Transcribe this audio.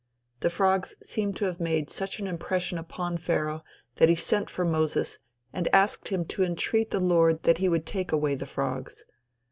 The frogs seem to have made such an impression upon Pharaoh that he sent for Moses and asked him to entreat the Lord that he would take away the frogs.